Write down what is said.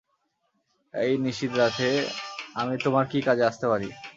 এই নিশীথ রাতে আমি তোমার কি কাজে আসতে পারি?